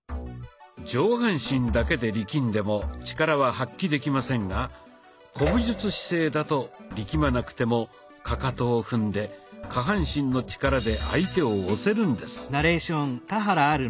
上半身だけで力んでも力は発揮できませんが古武術姿勢だと力まなくてもかかとを踏んで下半身の力で相手を押せるんです。